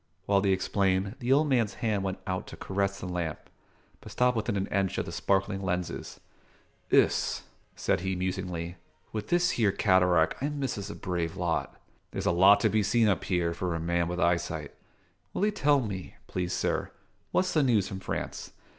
While they explained, the old man's hand went out to caress the lamp, but stopped within an inch of the sparkling lenses. "Iss," said he musingly, "with this here cataract I misses a brave lot. There's a lot to be seen up here, for a man with eyesight. Will 'ee tell me, please sir, what's the news from France?